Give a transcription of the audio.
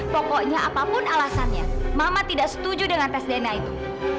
pokoknya apapun alasannya mama tidak setuju dengan tes dna itu